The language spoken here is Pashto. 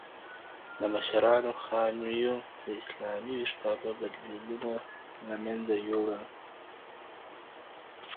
د مشرانو خامیو د اسلامي ویښتابه بدلیلونه له منځه یووړل.